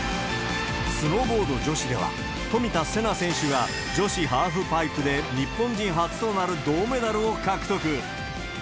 スノーボード女子では、冨田せな選手が、女子ハーフパイプで日本人初となる銅メダルを獲得。